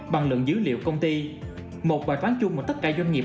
bằng lượng dữ liệu công ty một bài toán chung mà tất cả doanh nghiệp